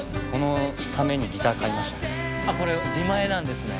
あれこれ自前なんですね。